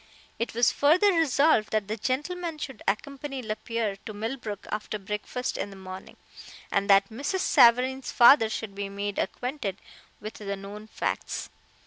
It was further resolved that that gentleman should accompany Lapierre to Millbrook after breakfast in the morning, and that Mrs. Savareen's father should be made acquainted with the known facts.